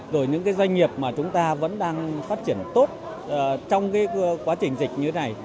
rồi những doanh nghiệp mà chúng ta vẫn đang phát triển tốt trong quá trình dịch như thế này